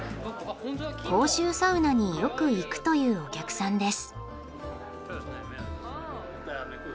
公衆サウナによく行くというお客さんです。